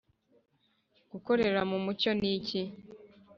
Gukorera mu mucyo ni iki